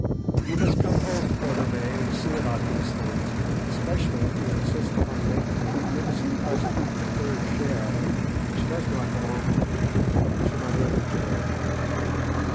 You must come home, Quatermain, and see about these things, especially if you insist upon making the magnificent present of the third share, which does not belong to me, to my brother George.